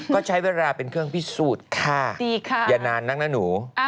ก็ใช้เวลาเป็นเครื่องพิสูจน์ค่ะอย่านานนักนะหนู